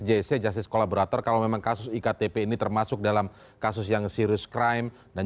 jc jasis kolaborator kalau memang kasus ikat ep ini termasuk dalam kasus yang sirius crime dan